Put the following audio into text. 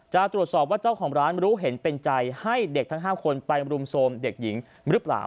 จะตรวจสอบว่าเจ้าของร้านรู้เห็นเป็นใจให้เด็กทั้ง๕คนไปรุมโทรมเด็กหญิงหรือเปล่า